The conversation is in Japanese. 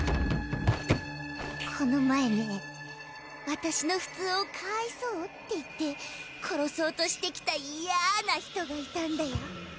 この前ねぇ私の普通をカァイソウって言って殺そうとしてきたいやな人がいたんだよ。